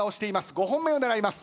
５本目を狙います。